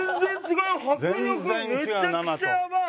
迫力めちゃくちゃやばい。